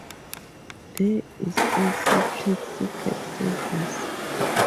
There is also taxicab service.